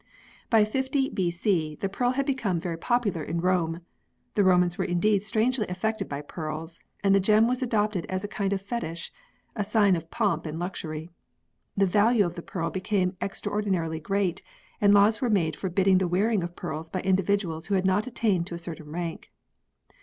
By 50 B.C. the pearl had become very popular in Rome. The Romans were indeed strangely affected by pearls, and the gem was adopted as a kind of fetish a sign of pomp and luxury. The value of the pearl became extraordinarily great and laws were made forbidding the wearing of pearls by individuals who had not attained to a certain rank.